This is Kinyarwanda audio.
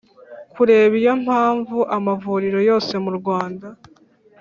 kubera iyo mpamvu amavuriro yose mu rwanda